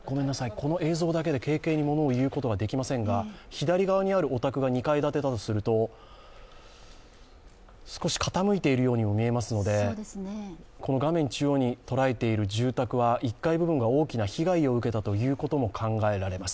この映像だけで軽々にものを言うことはできませんが左側にあるお宅が２階建てだとすると少し傾いているようにも見えますのでこの画面中央にとらえている住宅は１階部分が大きく被害を受けたということが見られます。